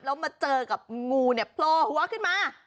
แล้วมาเจอกับงูโทหลหัวขึ้นมา